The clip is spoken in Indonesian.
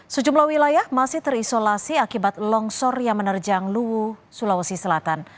sejumlah wilayah masih terisolasi akibat longsor yang menerjang luwu sulawesi selatan